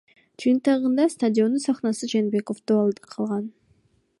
Жыйынтыгында стадиондун сахнасы Жээнбековдо калган.